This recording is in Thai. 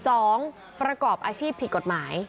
สองประกอบอาชีพผิดกฎหมาย